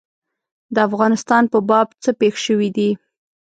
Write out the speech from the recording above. د افغانستان په باب څه پېښ شوي دي.